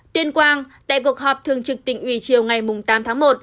tuyên quang tại cuộc họp thường trực tỉnh ủy chiều ngày tám tháng một